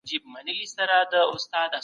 تعاون کول ټولنه پیاوړې کوي.